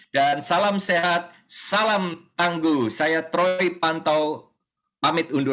dan seperti yang didengung dengungkan kita bisa atau tolong